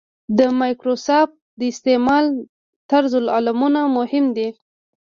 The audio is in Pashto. د مایکروسکوپ د استعمال طرزالعملونه مهم دي.